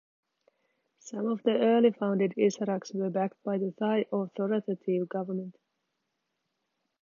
Some of the early founded Issaraks were backed by the Thai authoritative government.